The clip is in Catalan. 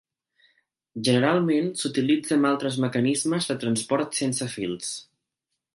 Generalment s'utilitza amb altres mecanismes de transport sense fils.